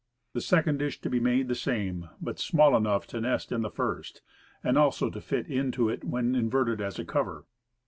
The second dish to be made the same, but small enough to nest in the first, and also to fit into it when inverted as a cover.